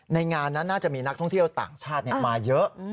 งานนั้นน่าจะมีนักท่องเที่ยวต่างชาติมาเยอะ